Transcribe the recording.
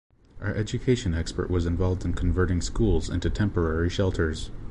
Our education expert was involved in converting schools into temporary shelters.